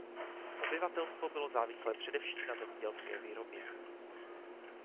Obyvatelstvo bylo závislé především na zemědělské výrobě.